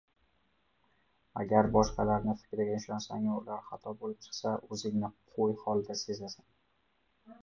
Agar boshqalarni fikriga ishonsangu, ular xato boʻlib chiqsa oʻzingni qoʻy holida sezasan.